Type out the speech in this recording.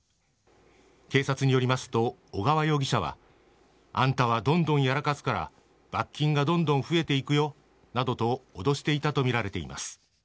警察によりますと小川容疑者はあんたはどんどんやらかすから罰金がどんどん増えていくよなどと脅していたとみられています。